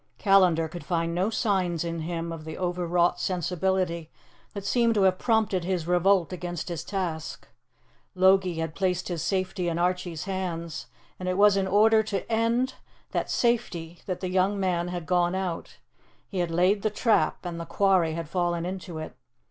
Callandar could find no signs in him of the overwrought sensibility that seemed to have prompted his revolt against his task. Logie had placed his safety in Archie's hands, and it was in order to end that safety that the young man had gone out; he had laid the trap and the quarry had fallen into it.